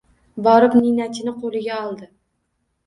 Borib ninachini qo’liga oldi